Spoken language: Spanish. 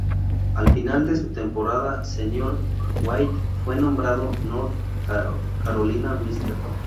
Al final de su temporada senior, White fue nombrado "North Carolina Mr.